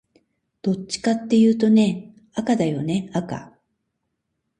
どっちかっていうとね、赤だよね赤